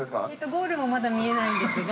◆ゴールもまだ見えないんですが。